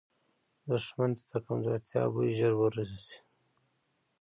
دښمن ته د کمزورتیا بوی ژر وررسي